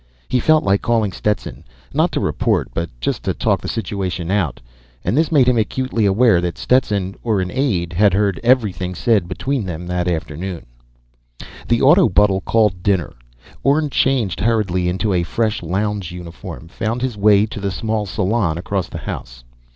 He felt like calling Stetson, not to report but just to talk the situation out. And this made him acutely aware that Stetson or an aide had heard everything said between them that afternoon. The autobutle called dinner. Orne changed hurriedly into a fresh lounge uniform, found his way to the small salon across the house.